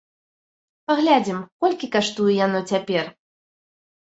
Паглядзім, колькі каштуе яно цяпер.